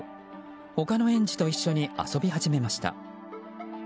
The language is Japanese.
他の園児と一緒に遊び始めました。